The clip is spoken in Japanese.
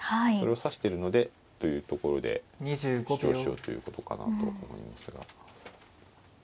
それを指してるのでというところで主張しようということかなと思いますが。